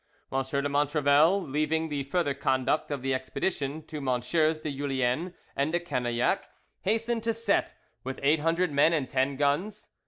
M de Montrevel; leaving the further conduct of the expedition to MM. de Julien and de Canillac, hastened to Cette with eight hundred men and ten guns.